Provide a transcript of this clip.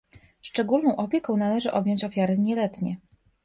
Szczególną opieką należy objąć ofiary nieletnie